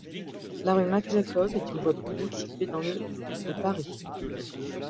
La rue Max-Jacob est une voie publique située dans le de Paris.